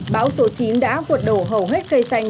bão số chín đã quật đổ hầu hết cây xanh